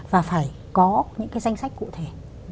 và phải có những cái danh sách cụ thể